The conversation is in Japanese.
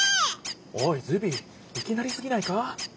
おいズビいきなりすぎないか？